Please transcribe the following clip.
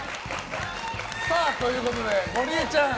ということで、ゴリエちゃん。